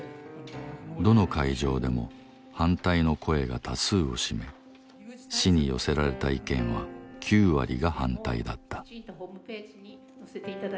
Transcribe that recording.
どの会場でも反対の声が多数を占め市に寄せられた意見は９割が反対だった。